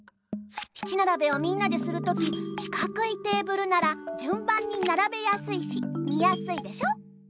七ならべをみんなでするときしかくいテーブルならじゅん番にならべやすいし見やすいでしょ？